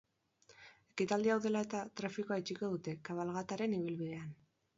Ekitaldi hau dela eta, trafikoa itxiko dute, kabalgataren ibilbidean.